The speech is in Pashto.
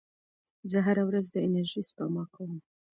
زه هره ورځ د انرژۍ سپما کوم.